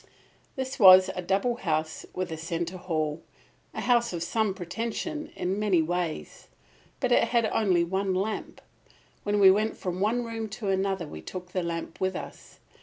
This was a double house with a centre hall, a house of some pretension in many ways. But it had only one lamp. When we went from one room to another we took the lamp with us.